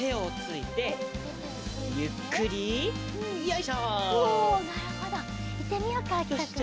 いってみようかあきとくん。